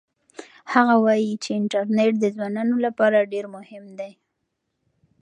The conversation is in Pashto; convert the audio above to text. هغه وایي چې انټرنيټ د ځوانانو لپاره ډېر مهم دی.